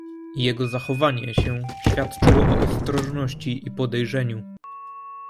"Jego zachowanie się świadczyło o ostrożności i podejrzeniu."